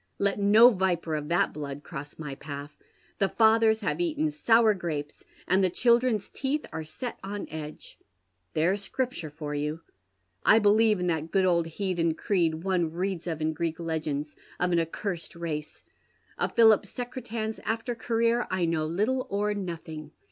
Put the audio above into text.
"Let no viper of that blood cross my path. ' The fathers have eaten sour grapes, and the children's teeth are set on edge.' There's Scriptm e for you. I believe i'l that good old heathen creed one reads of in Greek legends, )i an accursed race. Of Pliilip Secretan's after career I know liltle or nothing.